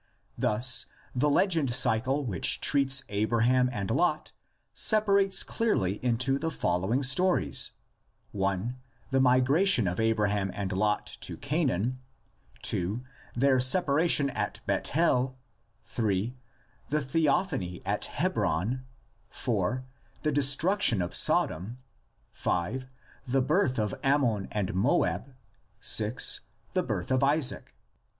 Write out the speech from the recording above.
Thus the legend cycle which treats Abraham and Lot sep arates clearly into the following stories: (i) The migration of Abraham and Lot to Canaan; (2) their separation at Bethel; (3) the theophany at Hebron; (4) the destruction of Sodom; (5) the birth of Ammon and Moab; (6) the birth of Isaac.